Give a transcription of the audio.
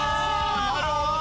なるほどね。